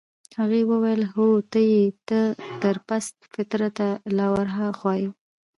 هغې وویل: هو ته يې، ته تر پست فطرته لا ورهاخوا يې.